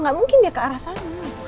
nggak mungkin dia ke arah sana